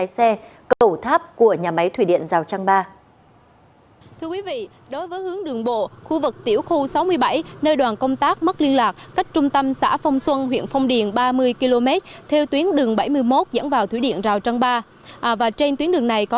xin chào các bạn